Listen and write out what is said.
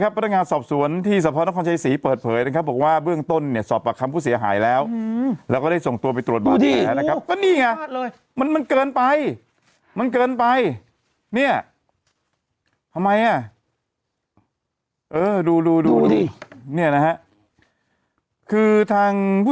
เพราะว่าถ้าเกิดตรงนี้คิ้วไม่เต็มเขาบอกว่าเจ้าชู้